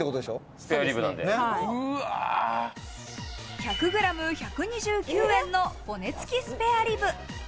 １００グラム１２９円の骨付きスペアリブ。